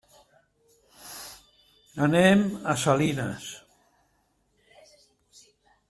Anem a Salinas.